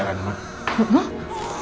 apa yang ada ranman